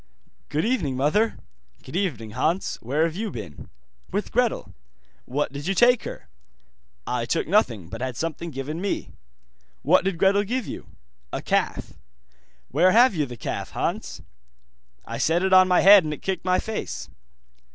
'Good evening, mother.' 'Good evening, Hans. Where have you been?' 'With Gretel.' 'What did you take her?' 'I took nothing, but had something given me.' 'What did Gretel give you?' 'A calf.' 'Where have you the calf, Hans?' 'I set it on my head and it kicked my face.